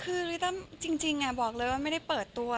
คือลิต้าจริงบอกเลยว่าไม่ได้เปิดตัว